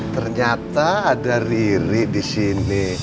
ternyata ada riri di sini